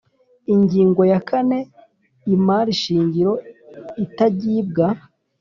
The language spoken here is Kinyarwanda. Ingingo ya kane Imari shingiro itagibwa